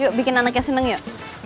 yuk bikin anaknya senang yuk